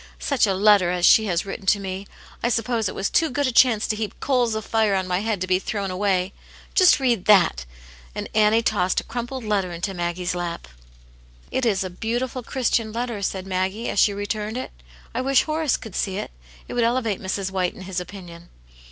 Such a letter as she has written to me ! I suppose it was too good a chance to heap coals of fire on my head to be thrown away. Just read that !" And Annie tossed a crumpled letter into Maggie's lap. " It is a beautiful, Christian letter," said Maggie, as she returned it. "I wish Horace could see it. It would elevate Mrs. White in his opinion."